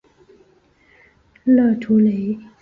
勒图雷。